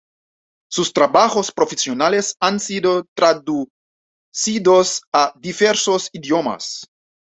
Sus trabajos profesionales han sido traducidos a diversos idiomas.